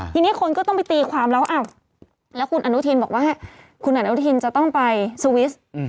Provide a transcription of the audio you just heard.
ทีนี้คนก็ต้องไปตีความแล้วแล้วคุณอนุทินบอกว่าคุณอนุทินจะต้องไปสวิสต์